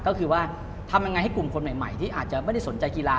ก็คือว่าทำยังไงให้กลุ่มคนใหม่ที่อาจจะไม่ได้สนใจกีฬา